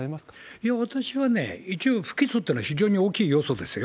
いや、私は一応、不起訴ってのいうのは非常に大きい要素ですよ。